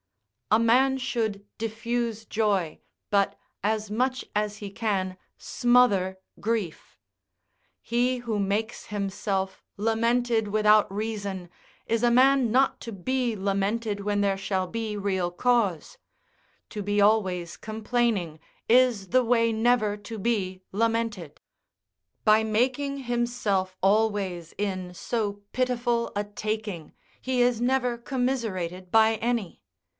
A man should diffuse joy, but, as much as he can, smother grief. He who makes himself lamented without reason is a man not to be lamented when there shall be real cause: to be always complaining is the way never to be lamented; by making himself always in so pitiful a taking, he is never commiserated by any.